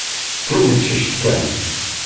D tinefcect kan.